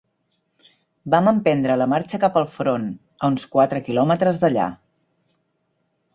Vam emprendre la marxa cap al front, a uns quatre quilòmetres d'allà.